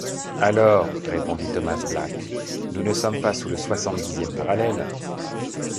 Alors, répondit Thomas Black, nous ne sommes pas sous le soixante-dixième parallèle!